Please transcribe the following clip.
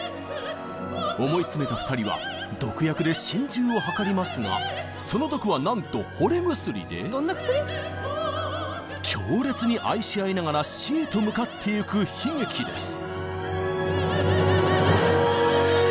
思い詰めた２人は毒薬で心中を図りますがその毒はなんと「ほれ薬」で強烈に愛し合いながら死へと向かってゆく悲劇です。